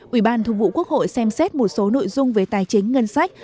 ủy ban thường vụ quốc hội xem xét một số nội dung về tài chính ngân sách